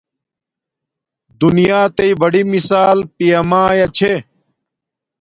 دنیاتݵ بڑی مشال پیا مایا چھے